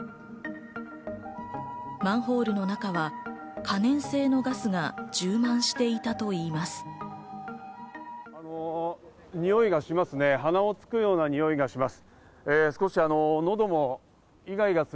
マンホールの中は可燃性のガスが充満していたといいます。